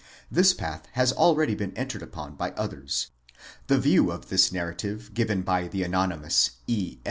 This path has already been entered upon by others. The view of this narrative given by the anonymous E.